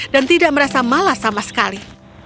dan tidak merasa malas sama sekali